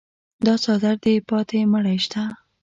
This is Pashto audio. دا څادر دې پاته مړی شته.